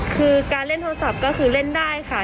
คือการเล่นโทรศัพท์ก็คือเล่นได้ค่ะ